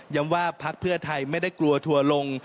ว่าพักเพื่อไทยไม่ได้กลัวทัวร์ลง